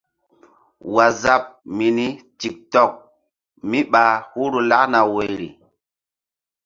Waazap mini tik tok mí ɓa huru lakna woyri.